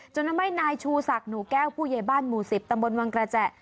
จนทำให้นายชูศักดิ์หนูแก้วผู้ใหญ่บ้านหมู่๑๐ตำบลวังกระแจ